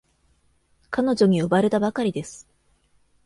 彼女に呼ばれたばかりです。